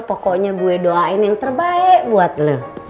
pokoknya gue doain yang terbaik buat lo